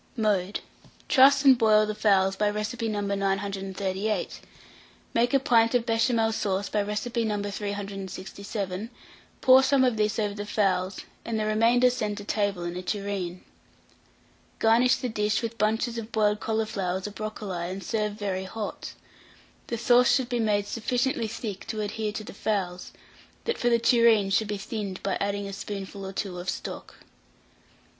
Mode. Truss and boil the fowls by recipe No. 938; make a pint of Béchamel sauce by recipe No. 367; pour some of this over the fowls, and the remainder send to table in a tureen. Garnish the dish with bunches of boiled cauliflowers or brocoli, and serve very hot. The sauce should be made sufficiently thick to adhere to the fowls; that for the tureen should be thinned by adding a spoonful or two of stock.